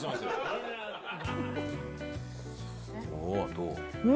どう？